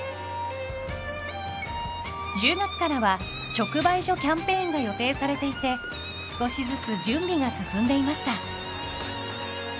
１０月からは直売所キャンペーンが予定されていて少しずつ準備が進んでいました。